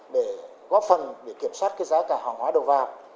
để góp phần để kiểm soát giá cả hàng hóa đầu vào